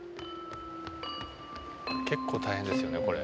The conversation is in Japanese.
結構大変ですよねこれ。